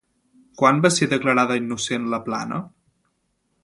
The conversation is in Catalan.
Quan va ser declarada innocent Laplana?